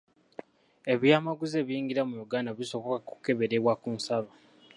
Ebyamaguzi ebiyingira mu Uganda bisooka kukeberebwa ku nsalo.